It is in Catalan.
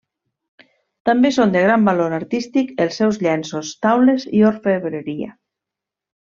També són de gran valor artístic els seus llenços, taules i orfebreria.